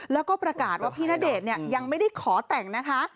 แล้วก็ประกาศว่าพี่ณเดชน์ยังไม่ได้ขอแต่งนะคะ